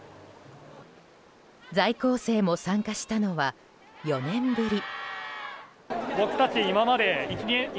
在校生も参加したのは４年ぶり。